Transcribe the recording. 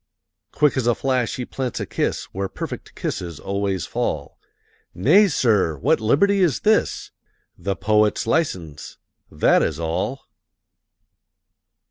Quick as a flash he plants a kiss Where perfect kisses always fall. "Nay, sir! what liberty is this?" "The Poet's License, that is all!"